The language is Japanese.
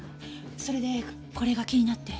それでこれが気になって。